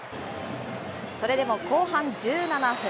それでも後半１７分。